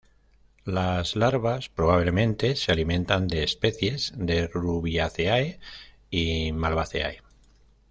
Las larvas probablemente se alimentan de especies de Rubiaceae y Malvaceae.